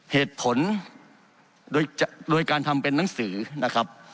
เหตุผลโดยการทำเป็นนังสือนะครับ